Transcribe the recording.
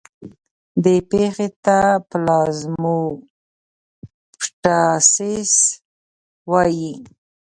دې پېښې ته پلازموپټایسس وایي.